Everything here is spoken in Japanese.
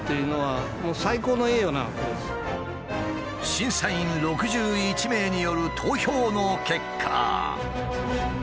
審査員６１名による投票の結果。